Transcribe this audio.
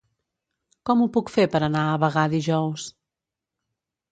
Com ho puc fer per anar a Bagà dijous?